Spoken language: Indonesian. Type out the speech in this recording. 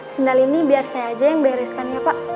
sendal ini biar saya aja yang bereskan ya pak